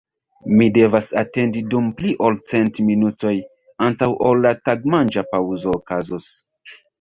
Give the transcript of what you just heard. Mi devas atendi dum pli ol cent minutoj antaŭ ol la tagmanĝa paŭzo okazos.